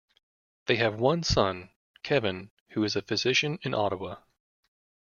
They have one son, Kevin, who is a physician in Ottawa.